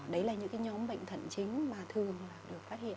đấy là những cái nhóm bệnh thận chính mà thường được phát hiện